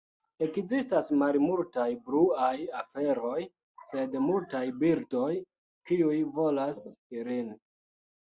Ekzistas malmultaj bluaj aferoj, sed multaj birdoj kiuj volas ilin.